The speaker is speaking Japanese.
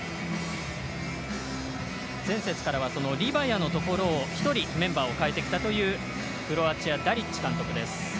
前節からはリバヤのところを１人、メンバーを代えてきたというクロアチア、ダリッチ監督です。